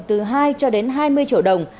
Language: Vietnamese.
từ hai cho đến hai mươi triệu đồng